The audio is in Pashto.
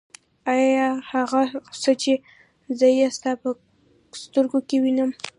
آيا هغه څه چې زه يې ستا په سترګو کې وينم.